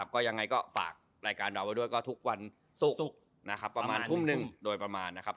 ก็ยังไงก็ฝากรายการเราไว้ด้วยก็ทุกวันศุกร์นะครับประมาณทุ่มหนึ่งโดยประมาณนะครับ